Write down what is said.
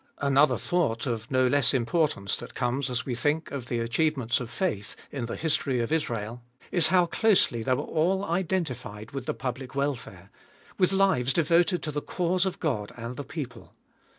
Another thought of no less importance, that comes as we think of the achievements of faith in the history of Israel, is how closely they were all identified with the public welfare, with lives devoted to the cause of God and the people.